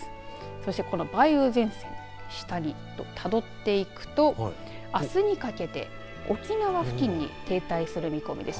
そして、この梅雨前線下にたどっていくとあすにかけて沖縄付近に停滞する見込みです。